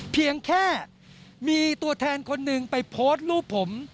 เพียงแค่มีตัวแทนคนหนึ่งไปโพสต์รูปผม